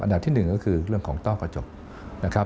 ที่หนึ่งก็คือเรื่องของต้อกระจกนะครับ